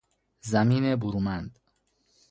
زمین برومند